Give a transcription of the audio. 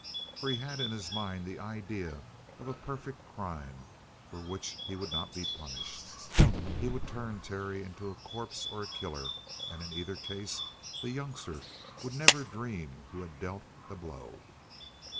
For he had in his mind the idea of a perfect crime for which he would not be punished. He would turn Terry into a corpse or a killer, and in either case the youngster would never dream who had dealt the blow.